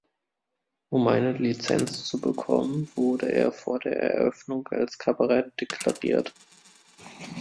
Um eine Lizenz zu bekommen, wurde er vor der Eröffnung als Kabarett deklariert.